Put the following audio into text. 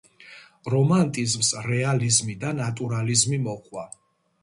რომანტიზმს რეალიზმი და ნატურალიზმი მოჰყვა.